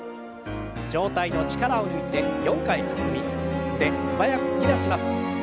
上体の力を抜いて４回弾み腕素早く突き出します。